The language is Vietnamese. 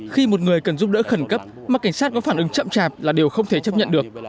khi một người cần giúp đỡ khẩn cấp mà cảnh sát có phản ứng chậm chạp là điều không thể chấp nhận được